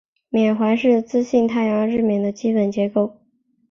冕环是磁性太阳日冕的基本结构。